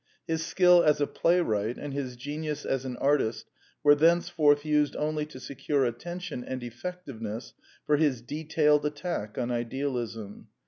His skill as a playwright and his genius as an artist were thenceforth used only to secure atten tion and effectiveness for his detailed attack on idealism.